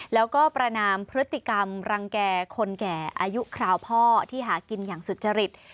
แล้วก็ประนามพฤติกรรมรังแก่คนแก่อายุคราวพ่อที่หากินอย่างสุจริต